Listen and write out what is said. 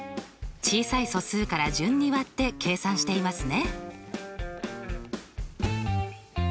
小さい素数から順に割って計算していますね。